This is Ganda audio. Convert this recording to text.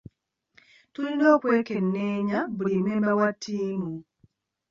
Tulina okwekenneenya buli mmemba wa ttiimu.